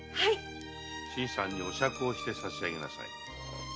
新さんにお酌をしてさしあげなさい。